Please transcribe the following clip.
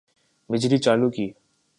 بجلی چالو کی